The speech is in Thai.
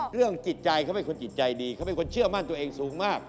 เรื่องจิตใจเขาเป็นคนจิตใจดีเขาเป็นคนเชื่อมั่นตัวเองสูงมาก